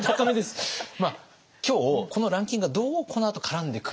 まあ今日このランキングがどうこのあと絡んでくるのか。